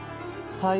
はい。